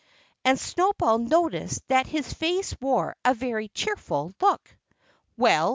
And Snowball noticed that his face wore a very cheerful look. "Well?"